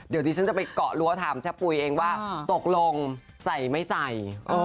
เดี๋ยวดิฉันจะไปเกาะรั้วถามชะปุ๋ยเองว่าตกลงใส่ไม่ใส่